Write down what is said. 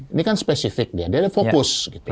ini kan spesifik dia dia fokus